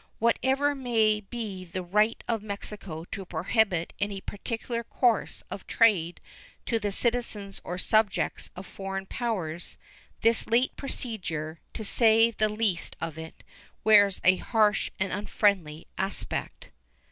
Whatever may be the right of Mexico to prohibit any particular course of trade to the citizens or subjects of foreign powers, this late procedure, to say the least of it, wears a harsh and unfriendly aspect.